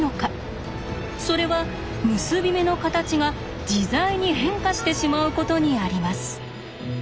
それは結び目の形が自在に変化してしまうことにあります。